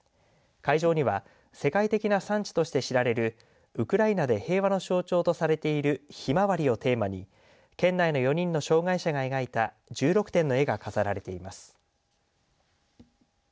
会場には世界的な産地として知られるウクライナで平和の象徴とされているひまわりをテーマに県内の４人の障害者が描いた１６点の絵が飾られています。